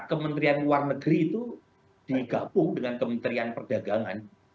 kementerian luar negeri itu digabung dengan kementerian perdagangan